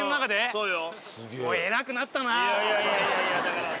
そうよ。